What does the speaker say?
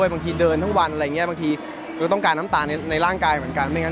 บางทีเดินทั้งวันหรือต้องการน้ำตาลในร่างกายดังนั้น